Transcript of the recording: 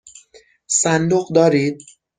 صندوق دارید؟